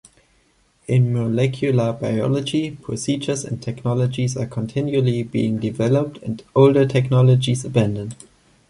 In molecular biology, procedures and technologies are continually being developed and older technologies abandoned.